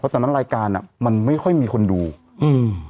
ตอนนั้นรายการอ่ะมันไม่ค่อยมีคนดูอืม